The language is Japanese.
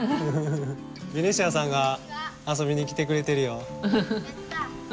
ベニシアさんが遊びに来てくれてるよ。